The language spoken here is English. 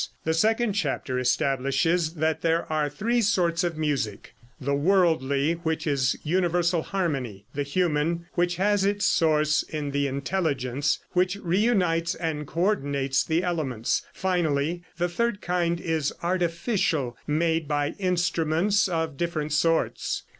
The second chapter establishes that there are three sorts of music: the worldly, which is universal harmony; the human, which has its source in the intelligence, which reunites and co ordinates the elements; finally, the third kind is artificial, made by instruments of different sorts.